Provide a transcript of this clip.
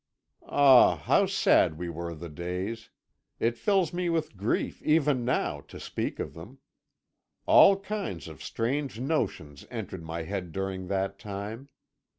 "Ah, how sad were the days! It fills me with grief, even now, to speak of them. All kinds of strange notions entered my head during that time.